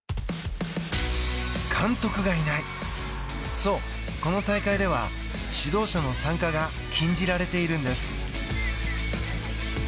そうこの大会では指導者の参加が禁じられているんです。